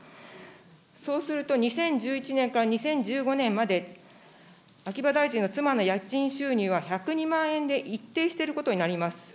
そうすると、２０１１年から２０１５年まで、秋葉大臣の妻の家賃収入は、１０２万円で一定していることになります。